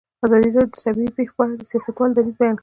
ازادي راډیو د طبیعي پېښې په اړه د سیاستوالو دریځ بیان کړی.